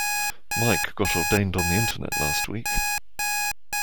Mike got ordained on the internet last week.